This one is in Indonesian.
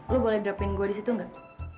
lo boleh dapetin gue di situ nggak